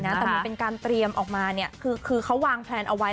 แต่มันเป็นการเตรียมออกมาเนี่ยคือเขาวางแพลนเอาไว้